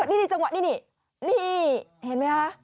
นี่นี่จังหวะนี่นี่นี่เห็นไหมฮะ